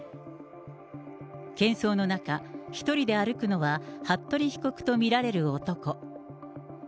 けん騒の中、一人で歩くのは、服部被告と見られる男。